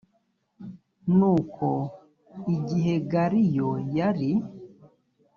nuko igihe galiyo yari